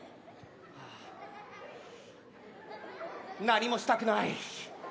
何もしたくない。